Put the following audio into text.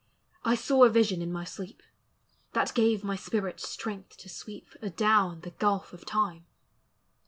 I saw a vision in my sleep, That gave my spirit strength to sweep • Adown the gulf of time